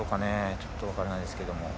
ちょっと分からないですけども。